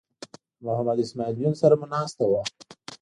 د محمد اسماعیل یون سره مو ناسته وه.